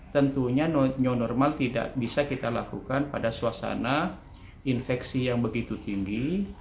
tentunya new normal tidak bisa kita lakukan pada suasana infeksi yang begitu tinggi